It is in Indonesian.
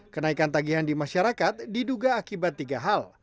kenaikan tagihan di masyarakat diduga akibat tiga hal